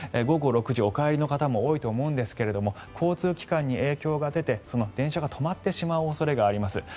午後６時、お帰りの方も多いと思うんですが交通機関に影響が出て電車が止まってしまう恐れがあります。